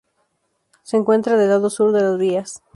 Se encuentra del lado sur de las vías.